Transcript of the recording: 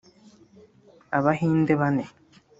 Abahinde bane